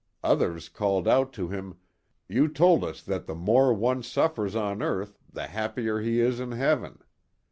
Others called out to him, *' you told us that the mure one suffers on earth, the happier he is in heaven."